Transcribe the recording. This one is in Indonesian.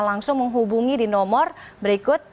langsung menghubungi di nomor berikut